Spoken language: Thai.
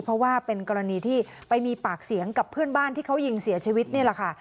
เพราะว่าเป็นกรณีที่ไปมีปากเสียงกับเพื่อนบ้านที่เขายิงเสียชีวิตนี่แหละค่ะ